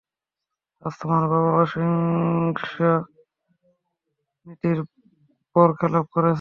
আজ তোমার বাবা অহিংস নীতির বরখেলাপ করেছে।